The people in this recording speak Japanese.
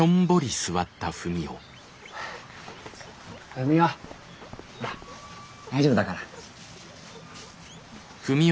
ふみおほら大丈夫だから。